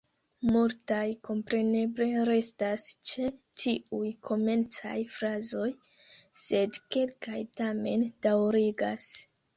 Multaj kompreneble restas ĉe tiuj komencaj frazoj, sed kelkaj tamen daŭrigas.